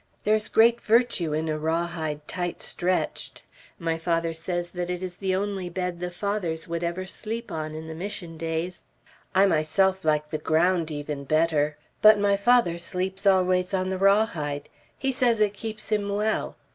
There is great virtue in a raw hide, tight stretched; my father says that it is the only bed the Fathers would ever sleep on, in the Mission days. I myself like the ground even better; but my father sleeps always on the rawhide. He says it keeps him well.